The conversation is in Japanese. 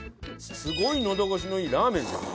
すごいのど越しのいいラーメンじゃん。